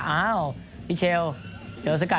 ส่วนที่สุดท้ายส่วนที่สุดท้าย